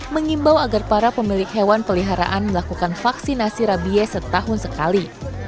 mengimbau agar para pemilik hewan peliharaan melakukan vaksinasi rabies setahun sekali